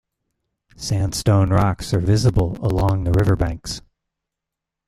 Sandstone rocks are visible along the river banks.